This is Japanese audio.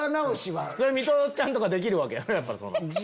ミトちゃんとかできるわけやろ？